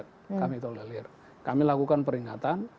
kami tolerlir kami lakukan peringatan